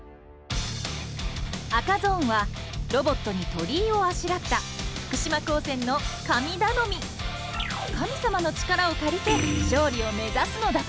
赤ゾーンはロボットに鳥居をあしらった神様の力を借りて勝利を目指すのだとか。